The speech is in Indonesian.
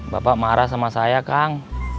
bapak marah sama saya kang